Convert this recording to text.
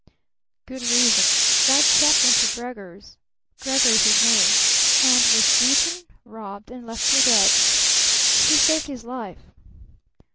"Good reasons. That chap went to Gregor's Gregor is his name and was beaten, robbed, and left for dead. She saved his life."